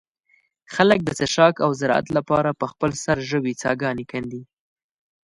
خلک د څښاک او زراعت له پاره په خپل سر ژوې څاګانې کندي.